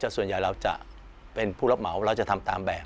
ส่วนใหญ่เราจะเป็นผู้รับเหมาเราจะทำตามแบบ